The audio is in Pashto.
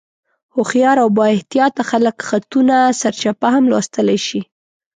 هوښیار او بااحتیاطه خلک خطونه سرچپه هم لوستلی شي.